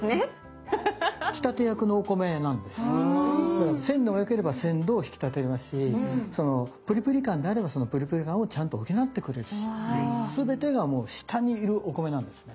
だから鮮度がよければ鮮度を引き立てますしそのプリプリ感であればそのプリプリ感をちゃんと補ってくれるし全てがもう下にいるお米なんですね。